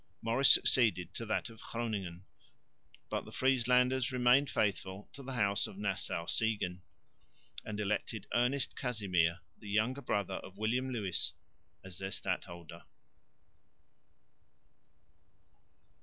Maurice succeeded to that of Groningen, but the Frieslanders remained faithful to the house of Nassau Siegen and elected Ernest Casimir, the younger brother of William Lewis, as their stadholder.